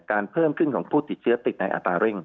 เพิ่มขึ้นของผู้ติดเชื้อติดในอัตราเร่ง